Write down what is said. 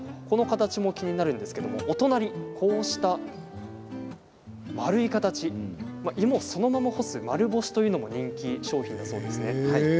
この形も気になるんですけれども、お隣こうした丸い形、芋そのまま干す丸干しというのも人気商品だそうですね。